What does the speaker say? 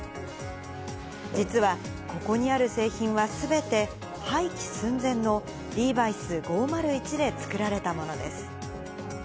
実はここにある製品は、すべて廃棄寸前のリーバイス５０１で作られたものです。